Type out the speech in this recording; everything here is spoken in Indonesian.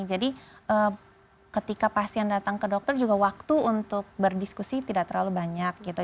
jadi ketika pasien datang ke dokter juga waktu untuk berdiskusi tidak terlalu banyak gitu